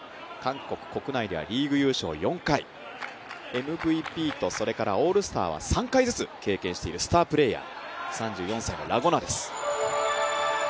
韓国国内ではリーグ優勝４回、ＭＶＰとオールスターは３回ずつ経験しているスタープレーヤー。